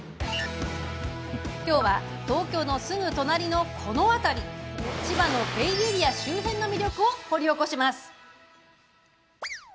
今日は、東京のすぐ隣のこの辺り千葉のベイエリア周辺の魅力を掘り起こします。